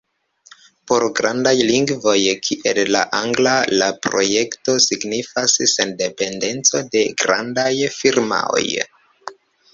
Por grandaj lingvoj kiel la angla la projekto signifas sendependecon de grandaj firmaoj.